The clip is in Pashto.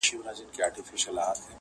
د غرڅه په څېر پخپله دام ته لویږي -